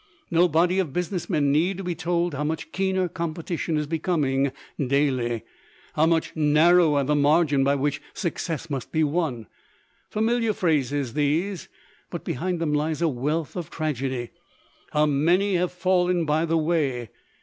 No body of business men need be told how much keener competition is becoming daily, how much narrower the margin by which success must be won. Familiar phrases, these. But behind them lies a wealth of tragedy. How many have fallen by the way?